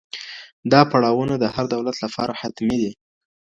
دا پړاوونه د هر دولت لپاره حتمي دي.